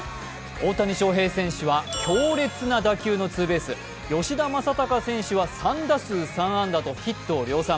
大谷翔平選手は強烈な打球のツーベース、吉田正尚選手は３打数３安打とヒットを量産。